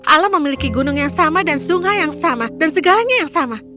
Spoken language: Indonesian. alam memiliki gunung yang sama dan sungai yang sama dan segalanya yang sama